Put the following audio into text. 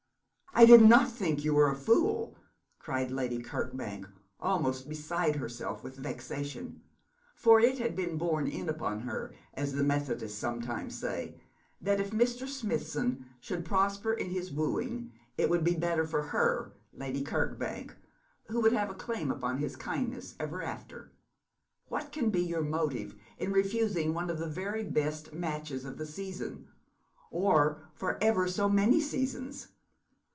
'I did not think you were a fool,' cried Lady Kirkbank, almost beside herself with vexation, for it had been borne in upon her, as the Methodists sometimes say, that if Mr. Smithson should prosper in his wooing it would be better for her, Lady Kirkbank, who would have a claim upon his kindness ever after. 'What can be your motive in refusing one of the very best matches of the season or of ever so many seasons?